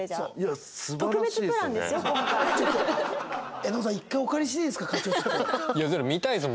絵音さん１回お借りしていいですか？